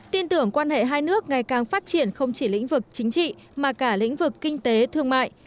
tin tưởng quan hệ hai nước ngày càng phát triển không chỉ lĩnh vực chính trị mà cả lĩnh vực kinh tế thương mại